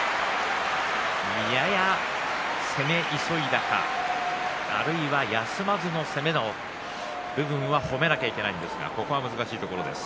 やや攻め急いだかあるいは休まずの攻めの部分は褒めなければいけないんですがここは難しいところです。